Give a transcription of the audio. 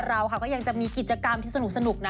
เราค่ะก็ยังจะมีกิจกรรมที่สนุกนะ